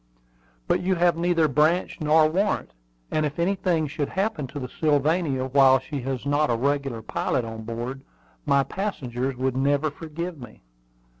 "But you have neither branch nor warrant; and if anything should happen to the Sylvania while she has not a regular pilot on board, my passengers would never forgive me."